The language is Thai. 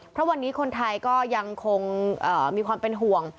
เพราะวันนี้คนไทยก็ยังคงมีความเป็นห่วง